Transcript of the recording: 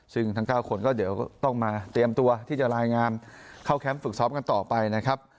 ซึ่งทั้ง๙คนก็เดี๋ยวต้องมาเตรียมตัวที่จะรายงานเข้าแคมป์ฝึกซ้อมกันต่อไปนะครับ